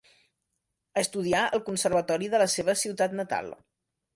Estudià al Conservatori de la seva ciutat natal.